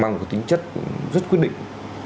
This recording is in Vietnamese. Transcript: mang một tính chất rất quyết định